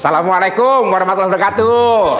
salamualaikum warahmatullah wabarakatuh